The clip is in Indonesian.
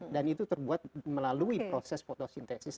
dan itu terbuat melalui proses fotosintesis